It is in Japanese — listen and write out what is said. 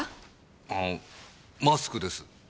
あのマスクです。